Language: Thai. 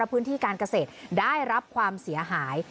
พื้นที่การเกษตรได้รับความเสียหาย